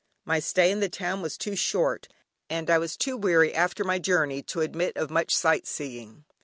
My stay in the town was too short, and I was too weary after my journey, to admit of much sight seeing.